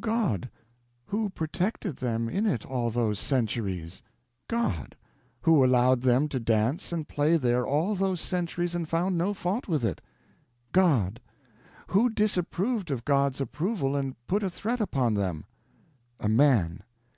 God. Who protected them in it all those centuries? God. Who allowed them to dance and play there all those centuries and found no fault with it? God. Who disapproved of God's approval and put a threat upon them? A man.